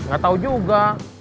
gak tau juga